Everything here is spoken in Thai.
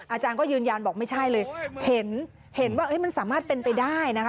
อาจารย์ก็ยืนยันบอกไม่ใช่เลยเห็นเห็นว่ามันสามารถเป็นไปได้นะคะ